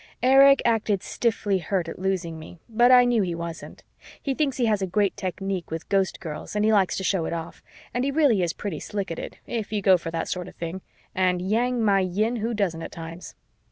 Erich acted stiffly hurt at losing me, but I knew he wasn't. He thinks he has a great technique with Ghostgirls and he likes to show it off, and he really is pretty slick at it, if you go for that sort of thing and yang my yin! who doesn't at times?